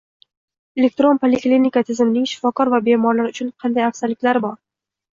«Elektron poliklinika» tizimining shifokor va bemor uchun qanday afzalliklari bor?ng